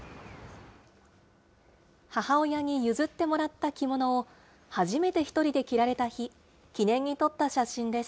母親に譲ってもらった着物を、初めて１人で着られた日、記念に撮った写真です。